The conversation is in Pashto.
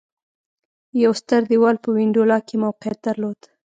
یو ستر دېوال په وینډولا کې موقعیت درلود